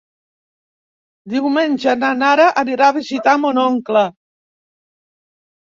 Diumenge na Nara anirà a visitar mon oncle.